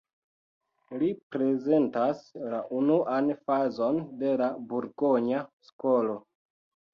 Li reprezentas la unuan fazon de la burgonja skolo.